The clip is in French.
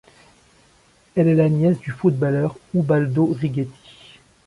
Elle est la nièce du footballeur Ubaldo Righetti.